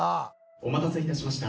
お待たせ致しました。